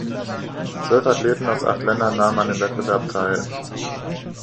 Zwölf Athleten aus acht Ländern nahmen an dem Wettbewerb teil.